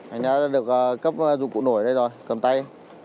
anh đã được cấp dụng cụ nổi đây rồi cầm tay